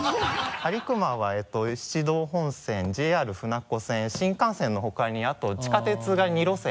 安里隈は七道本線ＪＲ船子線新幹線の他にあと地下鉄が２路線。